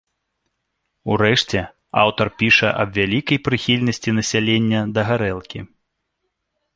Урэшце, аўтар піша аб вялікай прыхільнасці насялення да гарэлкі.